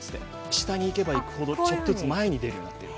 下に行けば行くほどちょっとずつ前に出るようになっている。